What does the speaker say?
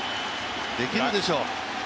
できるでしょ！